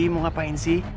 mau ngapain sih